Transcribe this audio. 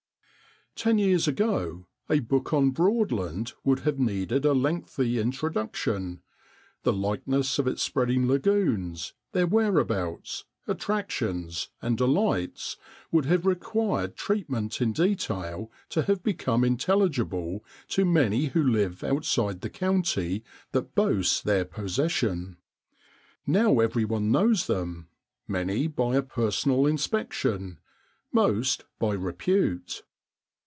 E!N years ago a book on Broadland would have needed a lengthy intro duction the likeness of its spreading lagoons, their whereabouts, attractions, and delights would have required treatment in detail to have become intelligible to many who live outside the county that boasts their possession. Now everyone knows them, many by a personal inspection, most by repute.